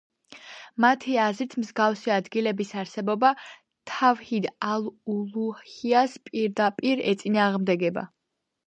მათი აზრით, მსგავსი ადგილების არსებობა თავჰიდ ალ–ულუჰიას პირდაპირ ეწინააღმდეგება.